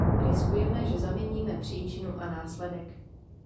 Riskujeme, že zaměníme příčinu a následek.